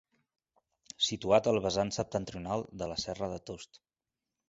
Situat al vessant septentrional de la serra de Tost.